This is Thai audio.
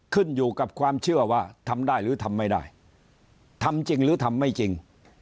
ขึ้นอยู่กับความเชื่อว่าทำได้หรือทำไม่ได้ทำจริงหรือทำไม่จริง